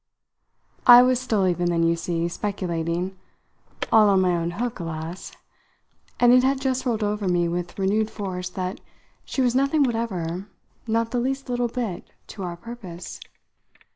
I was still even then, you see, speculating all on my own hook, alas! and it had just rolled over me with renewed force that she was nothing whatever, not the least little bit, to our purpose.